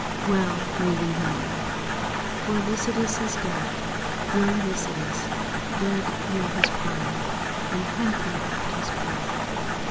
Well may we mourn For Lycidas is dead; Young Lycidas: dead ere his prime, _And hath not left his peer.